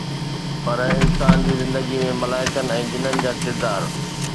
پر انسان جي زندگيءَ ۾ ملائڪن ۽ جنن جا ڪردار